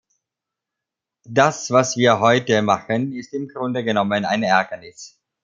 Das, was wir heute machen, ist im Grunde genommen ein Ärgernis.